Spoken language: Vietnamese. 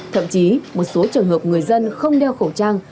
thậm chí một số trường hợp người dân không đeo khẩu trang